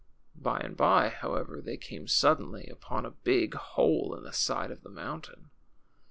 By and by, hoAA^ever, they came suddenly upon a big hole in the side of the mountain.